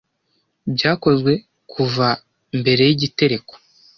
byakozwe kuva mbere yigitereko